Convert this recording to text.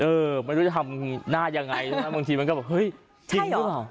เออไม่รู้จะทำหน้ายังไงทีนี้บางทีมันก็บอกเฮ้ยใช่หรอ